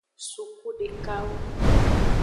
Suku dekawo.